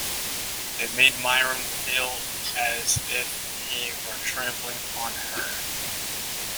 It made Miriam feel as if he were trampling on her.